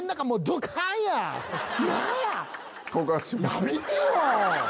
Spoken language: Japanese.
やめてよ。